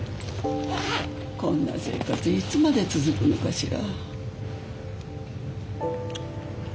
こんな生活いつまで続くのかしら。